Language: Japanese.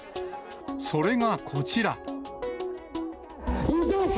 それがこちら。